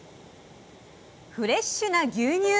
フレッシュな牛乳！